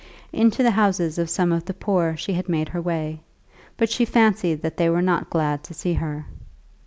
Into the houses of some of the poor she had made her way, but she fancied that they were not glad to see her.